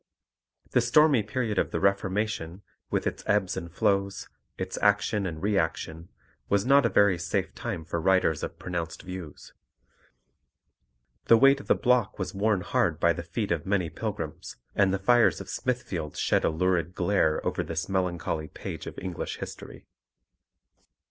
The stormy period of the Reformation, with its ebbs and flows, its action and reaction, was not a very safe time for writers of pronounced views. The way to the block was worn hard by the feet of many pilgrims, and the fires of Smithfield shed a lurid glare over this melancholy page of English history.